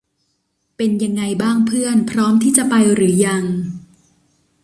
เป็นยังไงบ้างเพื่อน พร้อมที่จะไปหรือยัง ?